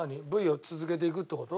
Ｖを続けていくって事？